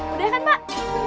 udah kan mbak